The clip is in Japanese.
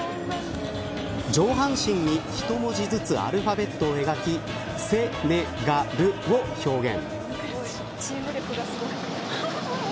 上半身に一文字ずつアルファベットを描きセネガルを表現。